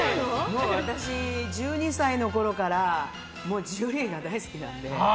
もう私、１２歳のころからもうジュリーが大好きなので。